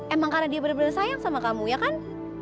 emang karena dia benar benar sayang sama kamu ya kan